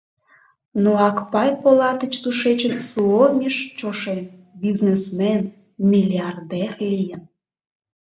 Но Акпай Полатыч тушечын Суомиш чошен, бизнесмен, миллиардер лийын!